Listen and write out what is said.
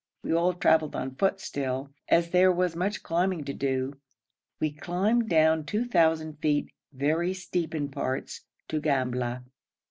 We all travelled on foot still, as there was much climbing to do. We climbed down 2,000 feet, very steep in parts, to Gambla.